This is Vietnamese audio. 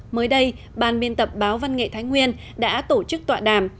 mới đây ban biên tập báo văn nghệ thái nguyên đã tổ chức tọa đàm